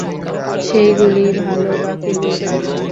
সেইগুলিই ভালো, বাকিগুলা কাঁচা।